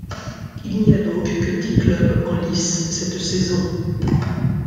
Il n'y a donc que dix clubs en lice cette saison.